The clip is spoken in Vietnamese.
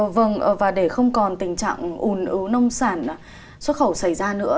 vâng và để không còn tình trạng ùn ứ nông sản xuất khẩu xảy ra nữa